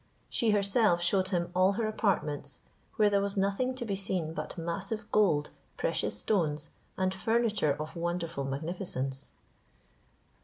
She herself shewed him all her apartments, where there was nothing to be seen but massive gold, precious stones, and furniture of wonderful magnificence.